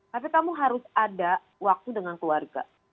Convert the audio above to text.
tapi kamu harus ada waktu dengan keluarga